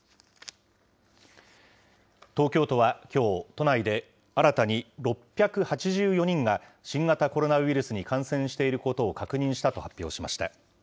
東京都はきょう、都内で新たに６８４人が新型コロナウイルスに感染していることを確認したと発表しました。